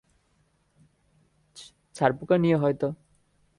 ছারপোকা নিয়ে হয়ত?